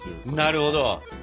なるほど。